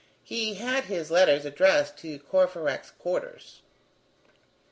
He had his letters addressed to Courfeyrac's quarters.